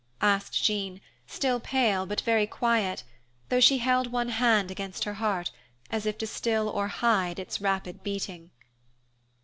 asked Jean, still pale, but very quiet, though she held one hand against her heart, as if to still or hide its rapid beating.